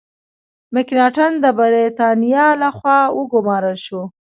مکناټن د برتانیا له خوا وګمارل شو.